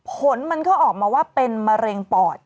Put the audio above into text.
ผลมันก็ออกมาว่าเป็นมะเร็งปอด